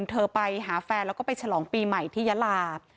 เธอไปหาแฟนแล้วก็ไปฉลองปีใหม่ที่ยาลา